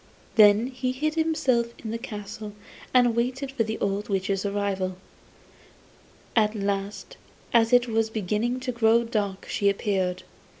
Then he hid himself in the castle and awaited the old witch's arrival. At last as it was beginning to grow dark she appeared.